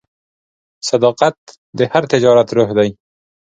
صداقت د هر تجارت روح دی.